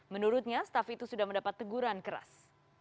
menurutnya staff itu sudah mendapat teguran keras